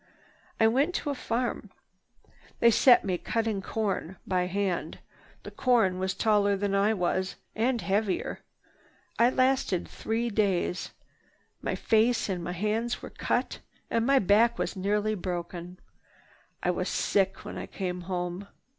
I went to a farm. They set me cutting corn, by hand. The corn was taller than I was, and heavier. I lasted three days. My face and hands were cut, and my back nearly broken. I was sick when I came home."